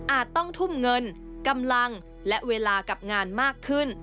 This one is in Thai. ต้องทุ่มเงินกำลังและเวลากับงานมากขึ้น